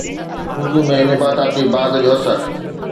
اردو ۾ نباتاتي باغ جو اثر